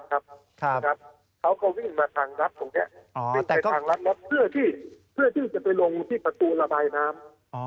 เขาก็วิ่งมาทางรัฐตรงนี้วิ่งไปทางรัฐม็อบเพื่อที่จะไปลงที่ประตูระบายน้ำ